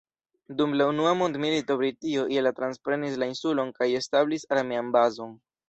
Dum la unua mondmilito Britio je la transprenis la insulon kaj establis armean bazon.